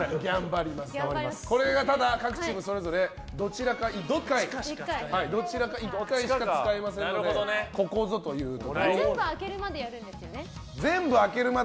これが各チームそれぞれどちらか１回しか使えませんのでここぞという時に。